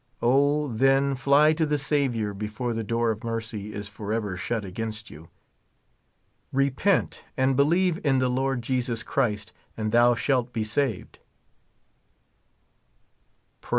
O, then, fly to the Saviour before the door of mercy is forever shut against you. Repent and believe in the Lord Jesus Christ, and thou shalt be saved.